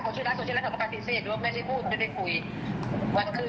คนหนึ่งที่ถามกล้าโปสิตเดี๋ยวไม่ได้พูดจะไปคุย